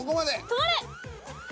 止まれ！